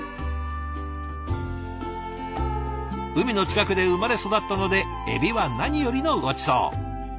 海の近くで生まれ育ったのでエビは何よりのごちそう。